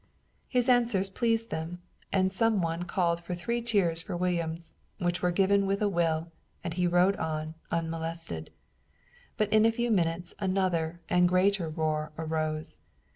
His answers pleased them, and some one called for three cheers for Williams, which were given with a will, and he rode on, unmolested. But in a few minutes another and greater roar arose.